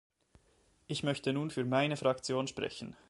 Ich möchte nun für meine Fraktion sprechen.